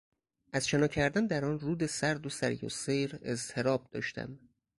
از شنا کردن در آن رود سرد و سریعالسیر اضطراب داشتم.